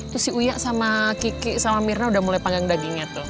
tuh si uya sama kiki sama mirna udah mulai panggang dagingnya tuh